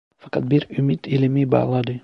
Fakat bir ümit elimi bağladı.